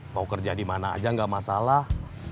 mau kerja dimana aja enggak masalah